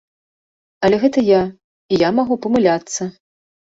Але гэта я, і я магу памыляцца.